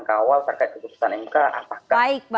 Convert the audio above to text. kawal terkait keputusan mk apakah